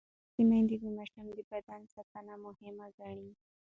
لوستې میندې د ماشوم د بدن ساتنه مهم ګڼي.